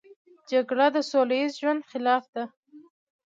جګړه د سوله ییز ژوند خلاف ده